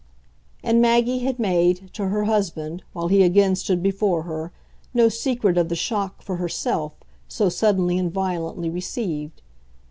And Maggie had made, to her husband, while he again stood before her, no secret of the shock, for herself, so suddenly and violently received.